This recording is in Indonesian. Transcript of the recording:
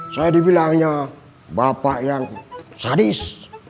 saya dibilangnya bapak yang sadis